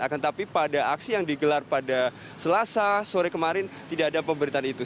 akan tetapi pada aksi yang digelar pada selasa sore kemarin tidak ada pemberitaan itu